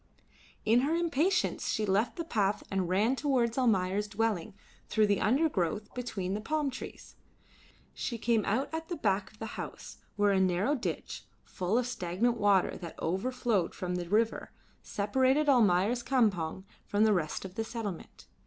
In her impatience she left the path and ran towards Almayer's dwelling through the undergrowth between the palm trees. She came out at the back of the house, where a narrow ditch, full of stagnant water that overflowed from the river, separated Almayer's campong from the rest of the settlement.